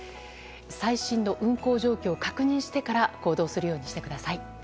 最新の運行状況を確認してから行動するようにしてください。